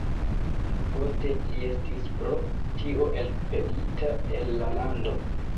Poste li estis pro tio elpelita el la lando.